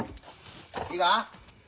いいか？